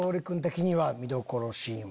見どころシーンは。